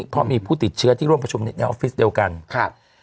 เพราะมีผู้ติดเชื้อที่ร่วมประชุมในออฟฟิศเดียวกันครับ